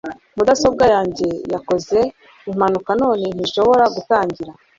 Mudasobwa yanjye yakoze impanuka none ntishobora gutangira